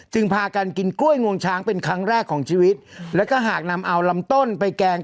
พากันกินกล้วยงวงช้างเป็นครั้งแรกของชีวิตแล้วก็หากนำเอาลำต้นไปแกง